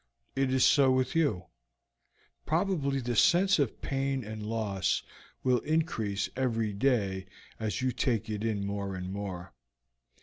It is so with you; probably the sense of pain and loss will increase every day as you take it in more and more.